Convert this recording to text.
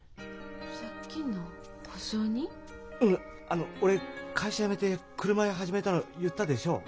あの俺会社辞めて車屋始めたの言ったでしょう？